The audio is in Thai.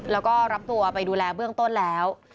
แล้วก็รับตัวไปดูแลเบื้องต้นแล้ว